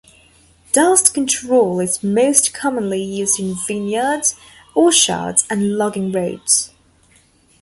Dust control is most commonly used in vineyards, orchards and logging roads.